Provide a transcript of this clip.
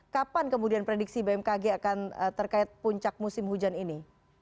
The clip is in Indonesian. kapan kemudian prediksi bmkg akan terkait puncak musim hujan ini